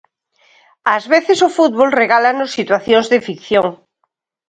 Ás veces o fútbol regálanos situacións de ficción.